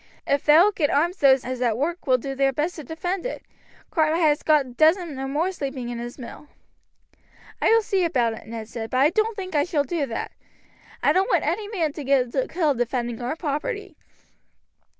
If thou wilt get arms those as is at work will do their best to defend it. Cartwright has got a dozen or more sleeping in his mill." "I will see about it," Ned said, "but I don't think I shall do that. I don't want any men to get killed in defending our property."